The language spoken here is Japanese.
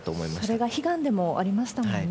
それが悲願でもありましたもんね。